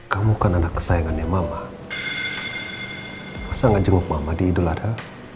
kamu kan anak kesayangannya mama pasangan jenguk mama di idul adha